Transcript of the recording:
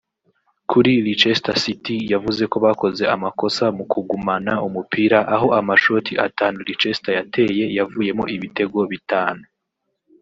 Kuri Leicester City yavuze ko bakoze amakosa mu kugumana umupira aho amashoti atanu Leicester yateye yavuyemo ibitego bitanu